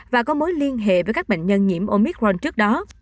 và có mối liên hệ với các bệnh nhân nhiễm omicron trước đó